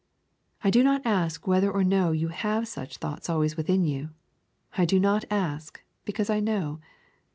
I do not ask whether or no you have such thoughts always within you. I do not ask, because I know.